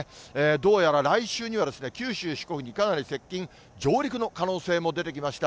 どうやら来週には九州、四国にかなり接近、上陸の可能性も出てきました。